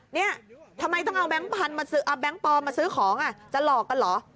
นี่ทำไมต้องเอาแบงก์ปลอมาซื้อของจะหลอกกันหรอ